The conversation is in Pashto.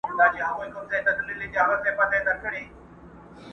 ما چي خیبر ته حماسې لیکلې،